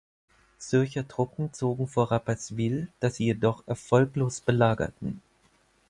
Zürcher Truppen zogen vor Rapperswil, das sie jedoch erfolglos belagerten.